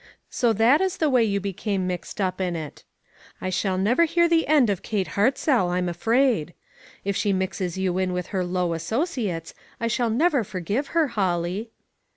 So that is the way you became mixed up in it! I shall never hear the last of Kate Hartzell, I am afraid. If she mixes you in with her low associates, I shall never forgive her, Holly."